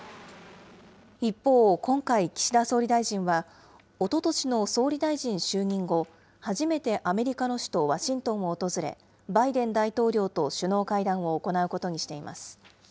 一方、今回、岸田総理大臣は、おととしの総理大臣就任後、初めてアメリカの首都ワシントンを訪れ、バイデン大統領と首脳会談を行うことにしています。